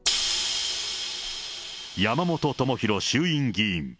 山本朋広衆院議員。